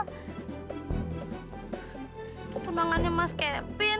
teteh tunangannya mas kevin